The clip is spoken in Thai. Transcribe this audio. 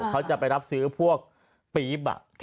เขาจะไปรับซื้อพวกปี๊บ